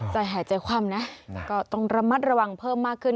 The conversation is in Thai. ใจหายใจคว่ำนะก็ต้องระมัดระวังเพิ่มมากขึ้น